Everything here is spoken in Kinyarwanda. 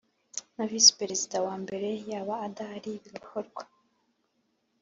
na Visi Perezida wa mbere yaba adahari bigakorwa